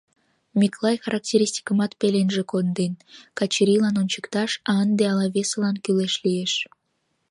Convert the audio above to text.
Миклай характеристикымат пеленже конден: Качырийлан ончыкташ, а ынде ала весылан кӱлеш лиеш.